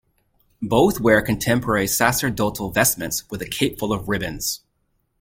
Both wear contemporary sacerdotal vestments with a cape full of ribbons.